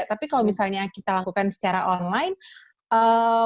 tapi kalau misalnya kita lakukan secara online